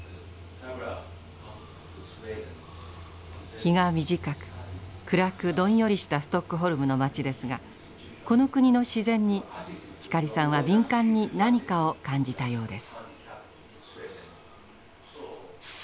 日が短く暗くどんよりしたストックホルムの街ですがこの国の自然に光さんは敏感に何かを感じたようです。